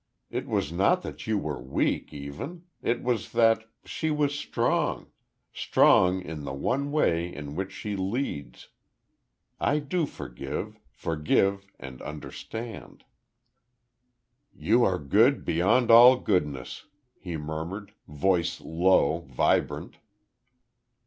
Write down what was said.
It was not that you were weak, even; it was that she was strong, strong in the one way in which she leads. I do forgive forgive and understand." [Illustration: I DO FORGIVE FORGIVE AND UNDERSTAND] "You are good beyond all goodness," he murmured, voice low, vibrant.